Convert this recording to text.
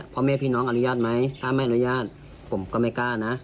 พ่อแม่พี่น้องอนุญาตไหมถ้าไม่อนุญาตผมก็ไม่กล้านะ